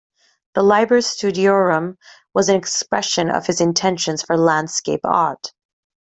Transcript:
The "Liber Studiorum" was an expression of his intentions for landscape art.